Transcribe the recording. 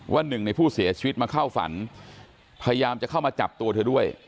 หนึ่งในผู้เสียชีวิตมาเข้าฝันพยายามจะเข้ามาจับตัวเธอด้วย